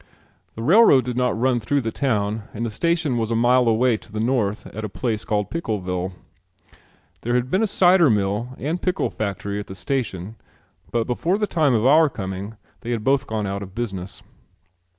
The railroad did not run through the town and the station was a mile away to the north at a place called Pickleville. There had been a cider mill and pickle factory at the station, but before the time of our coming they had both gone out of business.